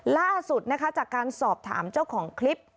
ล่าสุดนะคะจากการสอบถามเจ้าของคลิป